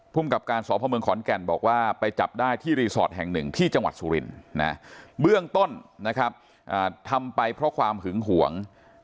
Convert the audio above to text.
กับการสพเมืองขอนแก่นบอกว่าไปจับได้ที่รีสอร์ทแห่งหนึ่งที่จังหวัดสุรินทร์นะเบื้องต้นนะครับทำไปเพราะความหึงหวง